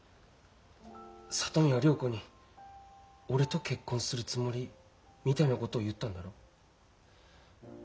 里美は良子に俺と結婚するつもりみたいなことを言ったんだろ？